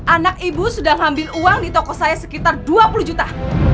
anak ibu sudah mengambil uang di toko saya sekitar dua puluh juta